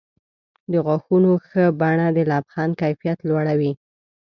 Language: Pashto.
د غاښونو ښه بڼه د لبخند کیفیت لوړوي.